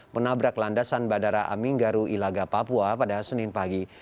menabrak landasan bandara aminggaru ilaga papua pada senin pagi